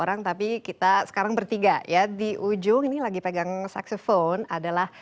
nah bu marijuana